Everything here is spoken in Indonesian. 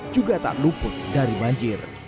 juga tak luput dari banjir